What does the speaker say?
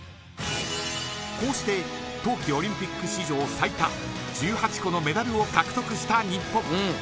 こうして冬季オリンピック史上最多１８個のメダルを獲得した日本。